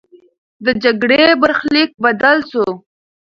د جګړې برخلیک بدل سو.